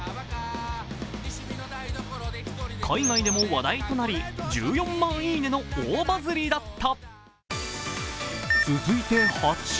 海外でも話題となり、１４万いいねの大バズりだった。